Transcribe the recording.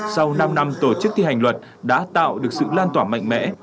sau năm năm tổ chức thi hành luật đã tạo được sự lan tỏa mạnh mẽ